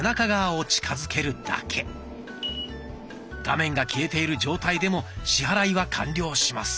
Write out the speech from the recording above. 画面が消えている状態でも支払いは完了します。